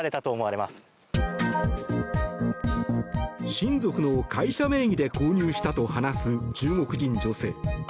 親族の会社名義で購入したと話す中国人女性。